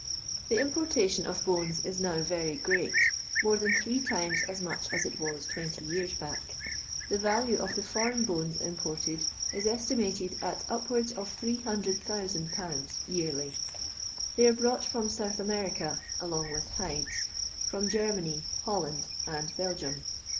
The importation of bones is now very great ; more than three times as much as it was 20 years back. The value of the foreign bones imported is estimated at upwards of 800,000/. yearly. They are brought from South America (along with hides), from Germany, HolLind, and Belgium.